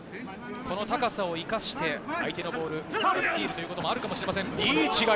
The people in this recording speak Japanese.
高さを生かして相手のボールをスティールということもあるかもしれません。